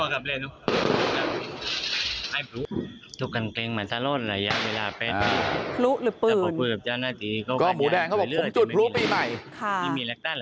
หมูแดงเขาบอกผมจุดผลุปลีใหม่